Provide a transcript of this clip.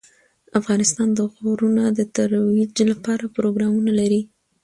افغانستان د غرونه د ترویج لپاره پروګرامونه لري.